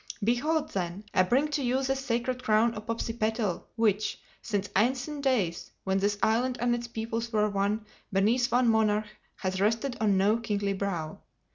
Behold then, I bring to you the Sacred Crown of Popsipetel which, since ancient days when this island and its peoples were one, beneath one monarch, has rested on no kingly brow.